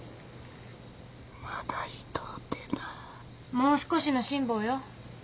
もう少しの辛抱よ。